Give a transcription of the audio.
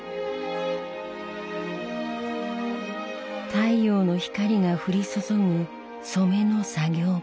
太陽の光が降り注ぐ染めの作業場。